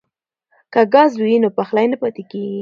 که ګاز وي نو پخلی نه پاتې کیږي.